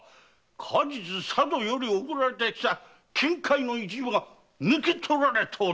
過日佐渡より送られてきた金塊の一部が抜き取られておりますぞ‼